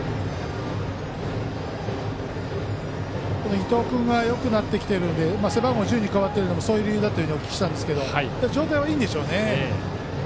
伊藤君がよくなってきているので背番号１０に変わっているのもそういう理由だと聞いたんですが状態はいいんでしょうね。